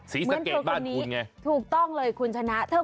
เหมือนเธอคนนี้ถูกต้องเลยคุณชนะสีสะเกดบ้านคุณไง